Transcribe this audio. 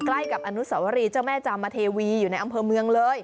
ใกล้กับอนุสวรีเจ้าแม่จามเทวีอยู่ในอำเภอเมืองเลย